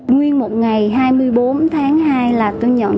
nguyên một ngày hai mươi bốn tháng hai là tôi nhận